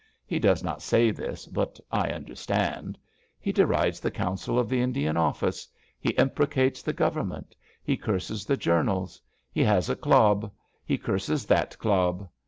He does not say this, but I understand. He derides the Council of the Lidian Office. He imprecates the Government. He curses the journals. He has a clob. He curses that clob.